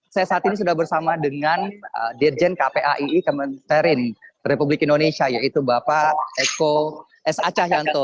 saya saat ini sudah bersama dengan dirjen kpaii kementerian republik indonesia yaitu bapak eko s acahyanto